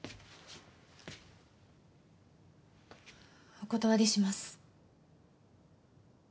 お断りします。